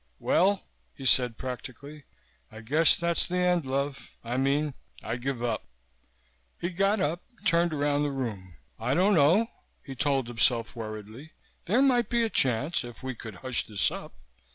"Well," he said practically, "I guess that's the end, love. I mean, I give up." He got up, turned around the room. "I don't know," he told himself worriedly. "There might be a chance if we could hush this up.